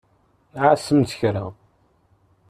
Ɛasemt kra!